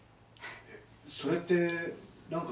えっそれってなんか。